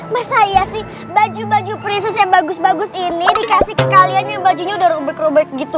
masa iya sih baju baju prinses yang bagus bagus ini dikasih ke kalian yang bajunya udah rubik rubik gitu